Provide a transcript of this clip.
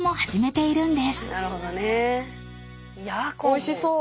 おいしそう。